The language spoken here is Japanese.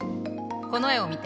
この絵を見て。